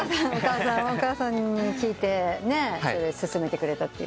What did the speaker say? お母さんに聞いてね薦めてくれたっていう。